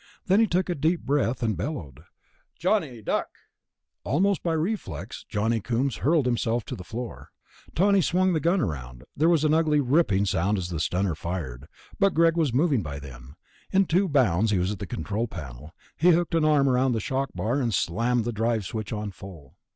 Then he took a deep breath and bellowed, "Johnny ... duck!" Almost by reflex, Johnny Coombs hurled himself to the floor. Tawney swung the gun around. There was an ugly ripping sound as the stunner fired ... but Greg was moving by then. In two bounds he was at the control panel. He hooked an arm around a shock bar, and slammed the drive switch on full.